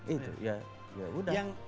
itu ya ya udah